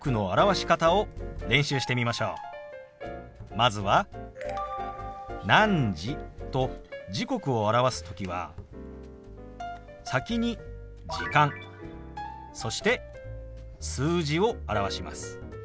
まずは「何時」と時刻を表す時は先に「時間」そして数字を表します。